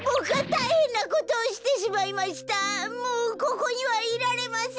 もうここにはいられません。